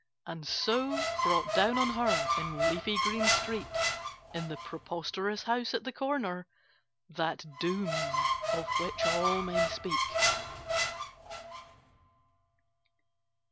and so brought down on her in Leafy Green Street, in the preposterous house at the corner, that doom of which all men speak.